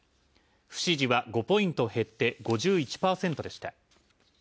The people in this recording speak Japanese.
「不支持」は５ポイント減って５１％でした。